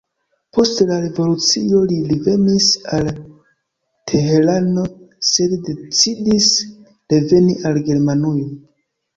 Post la revolucio li revenis al Teherano sed decidis reveni al Germanujo.